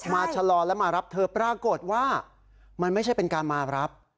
ชะลอแล้วมารับเธอปรากฏว่ามันไม่ใช่เป็นการมารับ